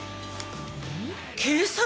警察？